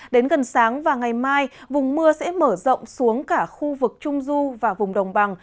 đến gần sáng và ngày mai vùng mưa sẽ mở rộng xuống cả khu vực trung du và vùng đồng bằng